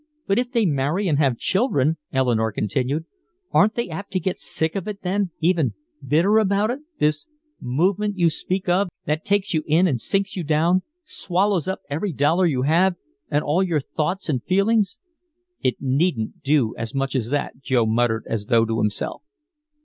"But if they marry and have children," Eleanore continued, "aren't they apt to get sick of it then, even bitter about it, this movement you speak of that takes you in and sinks you down, swallows up every dollar you have and all your thoughts and feelings?" "It needn't do as much as that," Joe muttered as though to himself.